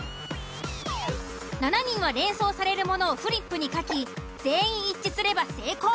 ７人は連想されるものをフリップに書き全員一致すれば成功。